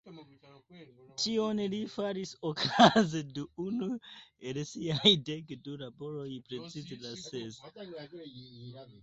Tion li faris okaze de unu el siaj dek du laboroj, precize la sesa.